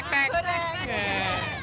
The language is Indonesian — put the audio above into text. gimana rasanya youtube disini